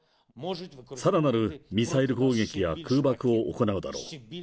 さらなるミサイル攻撃や空爆を行うだろう。